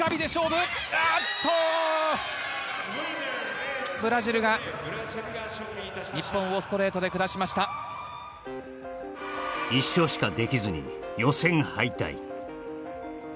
ブラジルが日本をストレートで下しました１勝しかできずに予選敗退